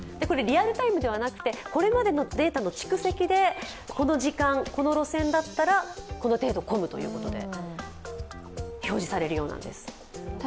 これ、リアルタイムではなくて、これまでのデータの蓄積でこの時間、この路線だったらこの程度、混むということで表示されるようなんです。